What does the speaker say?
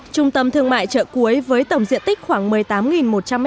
trung tâm thương mại chợ cuối với tổng diện tích khoảng một mươi tám một trăm linh m hai